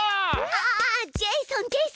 ああっジェイソンジェイソン！